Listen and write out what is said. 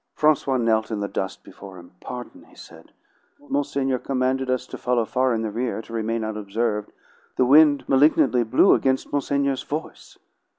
Francois knelt in the dust before him. "Pardon!" he said. "Monseigneur commanded us to follow far in the rear, to remain unobserved. The wind malignantly blew against monseigneur's voice."